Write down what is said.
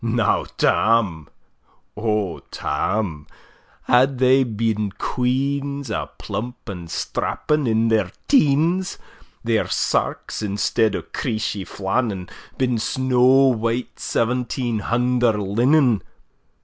Now Tam, O Tam! had thae been queans A' plump and strapping, in their teens: Their sarks, instead o' creeshie flannen, Been snaw white seventeen hunder linen!